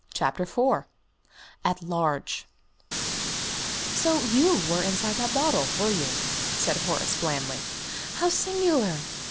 CHAPTER IV AT LARGE "So you were inside that bottle, were you?" said Horace, blandly. "How singular!"